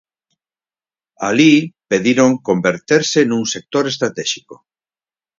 Alí pediron converterse nun sector estratéxico.